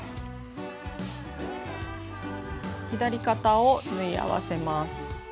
左肩を縫い合わせます。